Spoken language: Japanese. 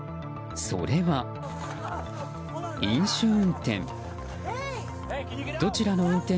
それは、飲酒運転。